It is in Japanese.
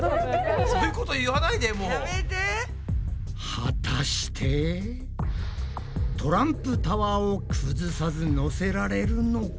果たしてトランプタワーを崩さずのせられるのか？